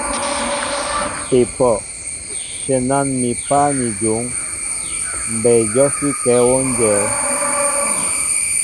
Epoh ! shenan mi páá ni jon, mbɛy jɔsíŋkɛɛ wón jɛέ.